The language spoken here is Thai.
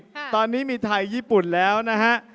เยี่ยมไทยญี่ปุ่นแล้วนะฮะ